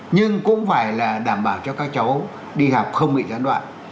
nhưng cũng phải là đảm bảo cho các cháu đi học không bị gián đoạn